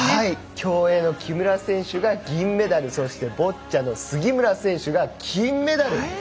競泳の木村選手が銀メダルそしてボッチャの杉村選手が金メダル。